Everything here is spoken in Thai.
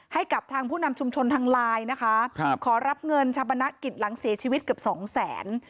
ให้กับทางผู้นำชุมชนทางไลน์นะคะครับขอรับเงินชาปนกิจหลังเสียชีวิตเกือบสองแสน